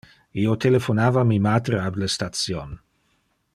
Io telephonava mi matre ab le station.